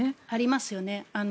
ありますよね。